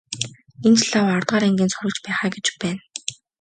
Энэ ч лав аравдугаар ангийн сурагч байх аа гэж байна.